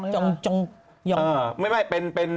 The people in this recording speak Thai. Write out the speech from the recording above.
ช่วยเปึ่งนักร้อง